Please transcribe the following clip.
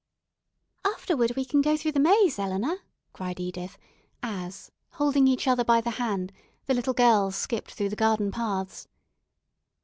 "Afterward we can go through the Maze, Eleanor," cried Edith, as, holding each other by the hand, the little girls skipped through the garden paths.